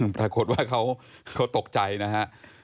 ปรากฏว่าเขาตกใจนะฮะ